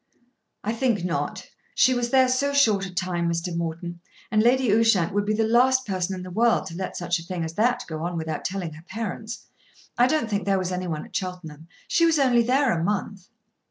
"I think not." "She was there so short a time, Mr. Morton; and Lady Ushant would be the last person in the world to let such a thing as that go on without telling her parents." "I don't think there was any one at Cheltenham. She was only there a month."